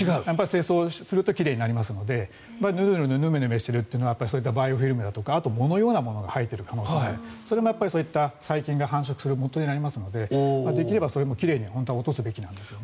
清掃すると奇麗になりますのでヌルヌル、ヌメヌメしているのはそういったバイオフィルムだとか藻のようなものが生えているそれも、そういった細菌が繁殖するもとになりますのでできればそれも奇麗に落とすべきなんですね。